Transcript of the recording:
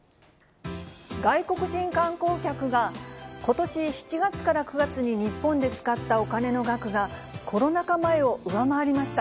外国人観光客がことし７月から９月に日本で使ったお金の額が、コロナ禍前を上回りました。